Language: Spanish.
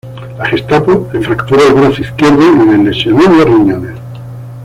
La Gestapo le fracturó el brazo izquierdo y le lesionó los riñones.